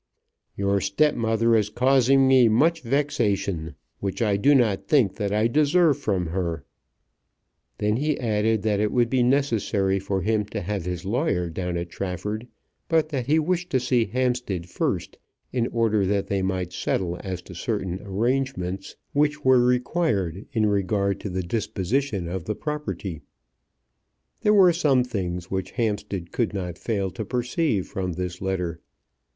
"Your stepmother is causing me much vexation, which I do not think that I deserve from her." He then added that it would be necessary for him to have his lawyer down at Trafford, but that he wished to see Hampstead first in order that they might settle as to certain arrangements which were required in regard to the disposition of the property. There were some things which Hampstead could not fail to perceive from this letter.